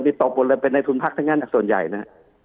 ที่ตกบนเลยเป็นนายทุนพักทั้งงานจากส่วนใหญ่นะ